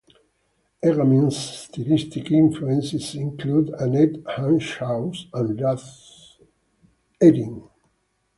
Hegamin's stylistic influences included Annette Hanshaw and Ruth Etting.